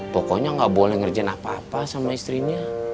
pokoknya nggak boleh ngerjain apa apa sama istrinya